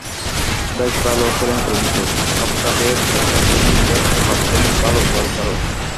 বেশ ভালো খেলেন টেনিসও, শখটাকে পেশা হিসেবে নিলে হতে পারতেন ভালো গলফারও।